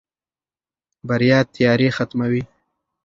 بریا تیارې ختموي.